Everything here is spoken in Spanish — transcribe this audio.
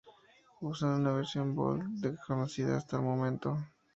Usan una versión Bold desconocida hasta el momento.